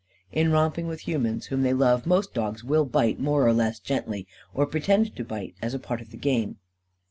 In romping with humans whom they love, most dogs will bite, more or less gently, or pretend to bite, as a part of the game.